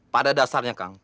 pada dasarnya kang